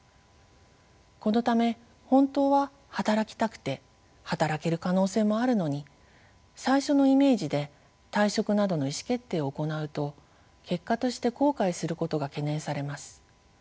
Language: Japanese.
このため本当は働きたくて働ける可能性もあるのに最初のイメージで退職などの意思決定を行うと結果として後悔することが懸念されます。